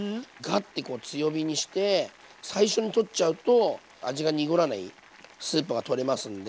ッてこう強火にして最初に取っちゃうと味が濁らないスープが取れますんで。